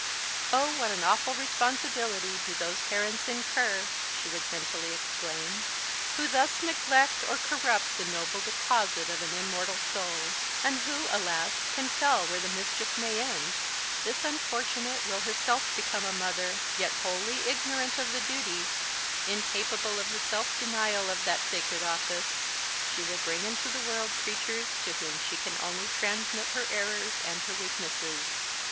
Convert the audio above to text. "Oh, what an awful responsibility do those parents incur," she would mentally exclaim, "who thus neglect or corrupt the noble deposit of an immortal soul! And who, alas! can tell where the mischief may end? This unfortunate will herself become a mother; yet wholly ignorant of the duties, incapable of the self denial of that sacred office, she will bring into the world creatures to whom she can only transmit her errors and her weaknesses!"